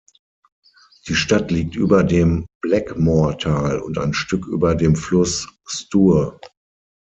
Die Stadt liegt über dem Blackmore-Tal und ein Stück über dem Fluss Stour.